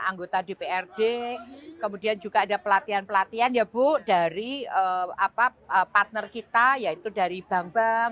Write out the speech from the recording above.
anggota dprd kemudian juga ada pelatihan pelatihan ya bu dari apa partner kita yaitu dari bank bank